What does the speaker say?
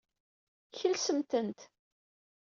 Kelsemt-tent.